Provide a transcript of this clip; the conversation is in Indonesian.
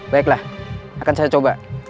baiklah akan saya coba